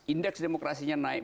indeks demokrasinya naik